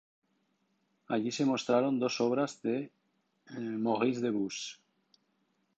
Allí se mostraron dos obras de Maurice de Bus.